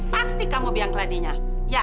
pasti kamu biang keladinya ya